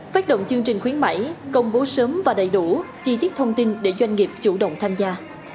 phát động chương trình khuyến mại công bố sớm và đầy đủ chi tiết thông tin để doanh nghiệp chủ động tham gia